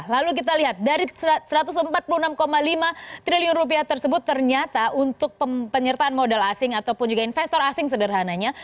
lalu kita lihat dari satu ratus empat puluh enam lima triliun rupiah tersebut ternyata untuk penyertaan modal asing ataupun juga investor asing sederhananya